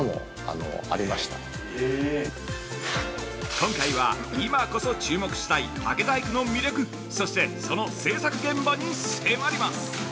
◆今回は、今こそ注目したい竹細工の魅力そして、その製作現場に迫ります。